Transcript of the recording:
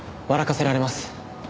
かせられます。